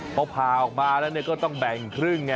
พอผ่าออกมาแล้วก็ต้องแบ่งครึ่งไง